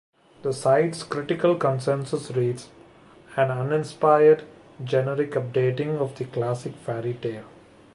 The site's critical consensus reads, An uninspired, generic updating of the classic fairy tale.